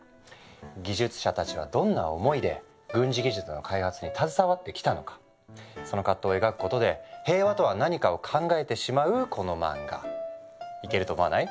技術者たちはどんな思いで軍事技術の開発に携わってきたのかその葛藤を描くことで平和とは何かを考えてしまうこの漫画イケると思わない？